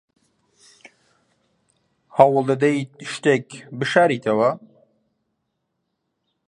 هەوڵ دەدەیت شتێک بشاریتەوە؟